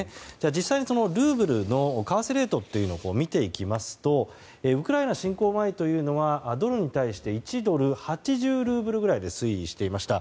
実際、ルーブルの為替ルートを見ていきますとウクライナ侵攻前というのはドルに対して１ドル＝８０ルーブルぐらいで推移していました。